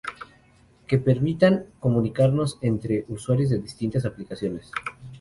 que permitan comunicarnos entre usuarias de distintas aplicaciones